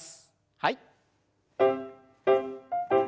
はい。